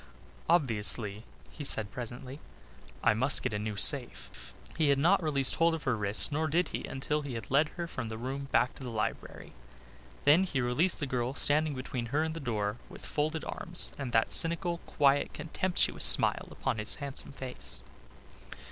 "Obviously," he said presently, "I must get a new safe." He had not released his hold of her wrist nor did he, until he had led her from the room back to the library. Then he released the girl, standing between her and the door, with folded arms and that cynical, quiet, contemptuous smile of his upon his handsome face.